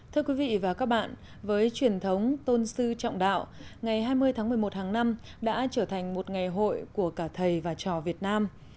thưa quý vị và các bạn với truyền thống tôn sư trọng đạo ngày hai mươi tháng một mươi một hàng năm đã trở thành một ngày hội của cả thầy và trò việt nam